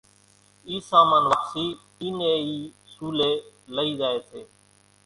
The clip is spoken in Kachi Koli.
اِي سامان واپسي اي ني اِي سوليَ لئي زائي سي۔